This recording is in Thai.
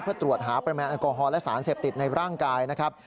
เพื่อตรวจหาปริมาณแอลกอฮอลและสารเสพติดในร่างกายนะครับ